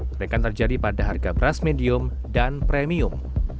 kenaikan terjadi pada harga beras medium dan premium